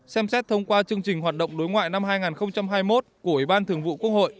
xem xét thông qua chương trình hoạt động đối ngoại năm hai nghìn hai mươi một của ubthq